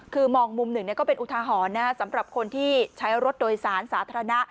คือมองมุมหนึ่งก็เป็นอุทาหรณ์สำหรับคนที่ใช้รถโดยสารสาธารณะ